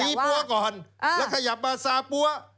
ปั้วก่อนแล้วขยับมาซาปั้ว